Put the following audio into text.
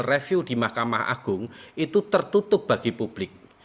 review di mahkamah agung itu tertutup bagi publik